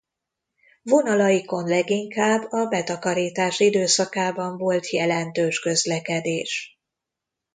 Vonalaikon leginkább a betakarítás időszakában volt jelentős közlekedés.